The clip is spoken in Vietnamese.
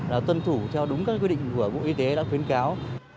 là tuân thủ theo đúng các quy định của bộ y tế đã khuyến cáo